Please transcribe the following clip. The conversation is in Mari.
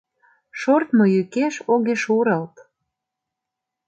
Шортмо йӱкеш огеш урылт.